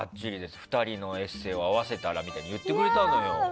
２人のエッセーを合わせたらみたいに言ってくれたのよ。